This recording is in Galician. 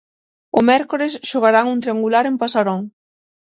O mércores xogarán un triangular en Pasarón.